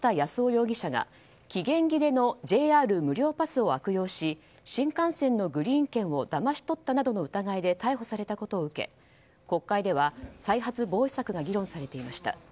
容疑者が期限切れのＪＲ無料パスを悪用し新幹線のグリーン券をだまし取ったなどの疑いで逮捕されたことを受け、国会では再発防止策が議論されていました。